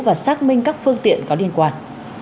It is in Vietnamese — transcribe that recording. và xác minh các phương tiện có liên quan